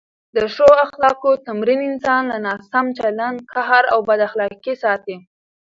د ښو اخلاقو تمرین انسان له ناسم چلند، قهر او بد اخلاقۍ ساتي.